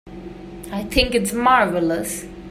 I think it's marvelous.